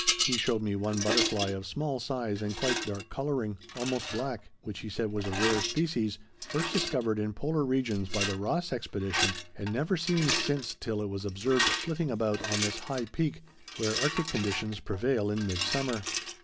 He showed me one butterfly of small size and quite dark coloring, almost black, which he said was a rare species, first discovered in polar regions by the Ross expedition, and never seen since till it was observed flitting about on this high peak, where arctic conditions prevail in midsummer.